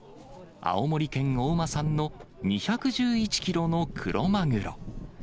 青森県大間産の２１１キロのクロマグロ。